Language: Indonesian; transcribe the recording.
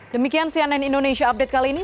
demikian cnn indonesia update kali ini